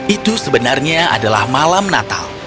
itu sebenarnya adalah malam natal